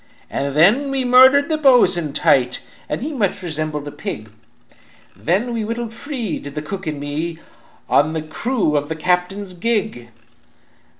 "And then we murdered the bo'sun tight, And he much resembled pig, Then we wittled free, did the cook and me, On the crew of the captain's gig.